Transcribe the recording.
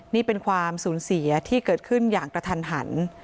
นี่เป็นความสูญเสียที่เกิดขึ้นอย่างกระทันหัน